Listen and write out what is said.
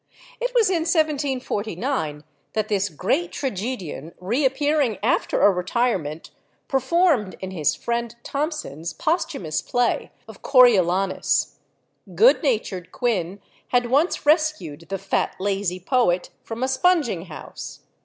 It was in 1749 that this great tragedian, reappearing after a retirement, performed in his friend Thomson's posthumous play of "Coriolanus." Good natured Quin had once rescued the fat lazy poet from a sponging house.